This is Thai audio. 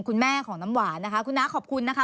คุณแม่ของน้ำหวานนะคะคุณน้าขอบคุณนะคะ